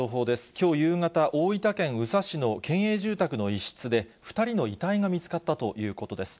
きょう夕方、大分県宇佐市の県営住宅の一室で、２人の遺体が見つかったということです。